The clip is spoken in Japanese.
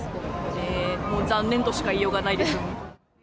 ええ、残念としか言いようがないです。